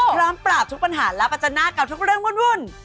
พร้อมปราบทุกปัญหารับอาจจะน่ากับทุกเรื่องวุ่น